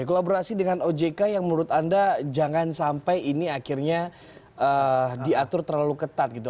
kolaborasi dengan ojk yang menurut anda jangan sampai ini akhirnya diatur terlalu ketat gitu